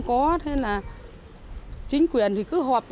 đó là miejsc huy tư t group b một nghìn